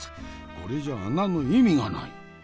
これじゃ穴の意味がない。